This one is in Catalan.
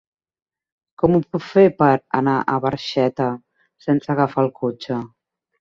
Com ho puc fer per anar a Barxeta sense agafar el cotxe?